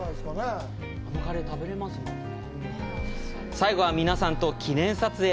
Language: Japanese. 最後は皆さんと記念撮影。